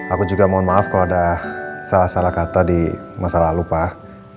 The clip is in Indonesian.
aku juga mohon maaf kalau ada salah salah kata di masa lalu pak